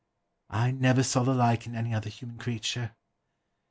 I never saw the like in any other human creature.